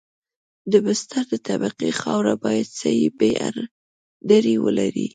د بستر د طبقې خاوره باید سی بي ار درې ولري